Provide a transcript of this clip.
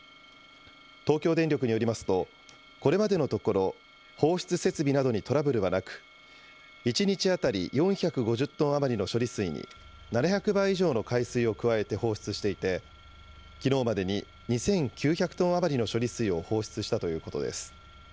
東京電力によりますと、これまでのところ、放出設備などにトラブルはなく、１日当たり４５０トン余りの処理水に７００倍以上の海水を加えて放出していて、きのうまでに２９００トン余りの処理水を放出したということです。